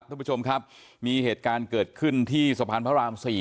ท่านผู้ชมครับมีเหตุการณ์เกิดขึ้นที่สะพานพระราม๔